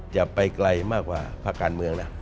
จะไปไกลมากกว่าภาคการเมืองนะ